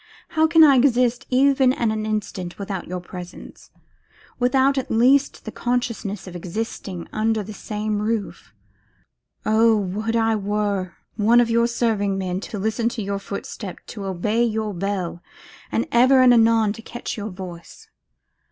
How can I exist even an instant without your presence, without at least the consciousness of existing under the same roof? Oh! would I were one of your serving men, to listen to your footstep, to obey your bell, and ever and anon to catch your voice!